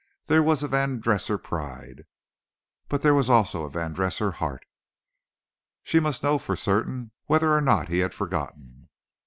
There was a Van Dresser pride, but there was also a Van Dresser heart. She must know for certain whether or not he had forgotten.